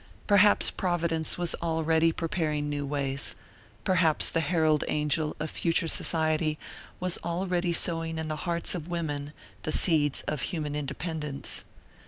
Perhaps Providence was already preparing new ways, perhaps the herald angel of future society was already sowing in the hearts of women the seeds of human independence.